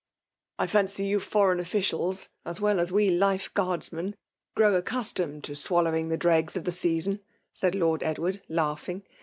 I fancy you Foreign Officials^ as well as we life Guardsmen, grow accustomed to swallow ing the dregs of the season^ said Lord Edward, laughing.